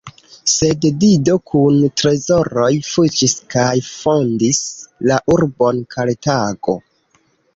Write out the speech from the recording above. Sed Dido kun trezoroj fuĝis kaj fondis la urbon Kartago.